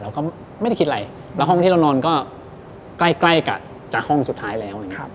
เราก็ไม่ได้คิดอะไรแล้วห้องที่เรานอนก็ใกล้กันจากห้องสุดท้ายแล้ว